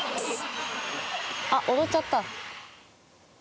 あっ踊っちゃった。